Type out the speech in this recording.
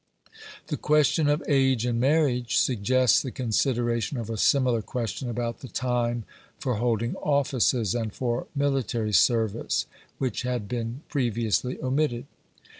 The question of age in marriage suggests the consideration of a similar question about the time for holding offices, and for military service, which had been previously omitted.